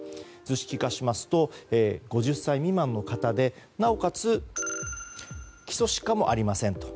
図式化しますと５０歳未満の方でなおかつ基礎疾患もありません。